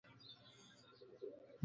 جيٚن ٻنيٚ وٽ آئي ديٚ ۔